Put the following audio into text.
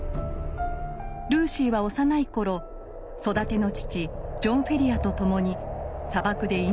ルーシーは幼い頃育ての父ジョン・フェリアとともに砂漠で命を救われます。